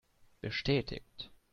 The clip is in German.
Bestätigt!